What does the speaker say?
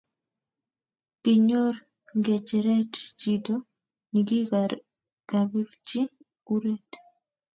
Kinyor ngecheret chito nikikabirchi kuret